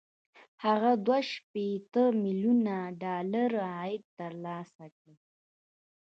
هغه دوه شپېته ميليونه ډالر عاید ترلاسه کړ